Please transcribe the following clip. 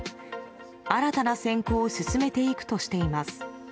新たな選考を進めていくとしています。